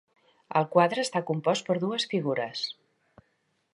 El quadre està compost per dues figures.